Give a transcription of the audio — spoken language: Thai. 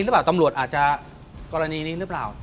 คำรวจอาจจะกรณีนี้หรือเปล่า